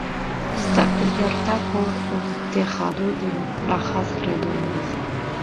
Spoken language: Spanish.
Está cubierta por un tejado de lajas redondas.